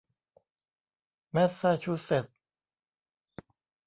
แมสซาชูเซ็ทส์